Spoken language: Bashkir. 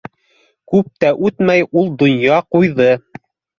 Күп тә үтмәй ул донъя ҡуйҙы.